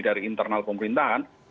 dari internal pemerintahan